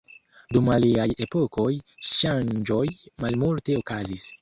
Dum aliaj epokoj, ŝanĝoj malmulte okazis.